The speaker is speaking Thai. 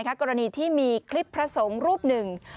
กรณีที่มีคลิปพระสงฆ์รูปหนึ่ง